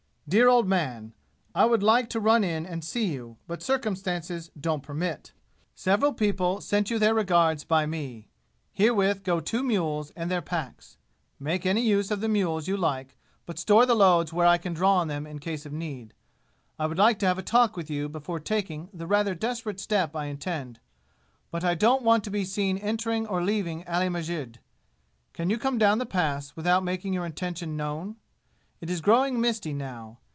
"Dear Old Man I would like to run in and see you, but circumstances don't permit. Several people sent you their regards by me. Herewith go two mules and their packs. Make any use of the mules you like, but store the loads where I can draw on them in case of need. I would like to have a talk with you before taking the rather desperate step I intend, but I don't want to be seen entering or leaving Ali Masjid. Can you come down the Pass without making your intention known? It is growing misty now.